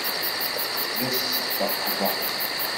D asbeqbeq.